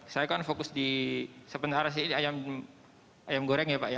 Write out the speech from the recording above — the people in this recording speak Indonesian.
saya kan fokus di sementara sih ayam goreng ya pak ya